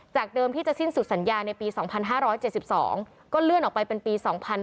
เดิมที่จะสิ้นสุดสัญญาในปี๒๕๗๒ก็เลื่อนออกไปเป็นปี๒๕๕๙